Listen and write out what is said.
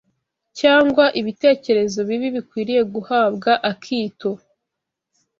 cyangwa ibitekerezo bibi bikwiriye guhabwa akito